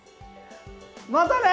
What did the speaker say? またね！